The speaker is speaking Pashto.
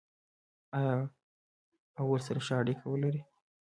آیا او ورسره ښه اړیکه ولري؟